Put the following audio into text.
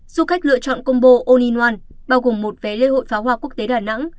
du khách lựa chọn combo all in one bao gồm một vé lễ hội phá hoa quốc tế đà nẵng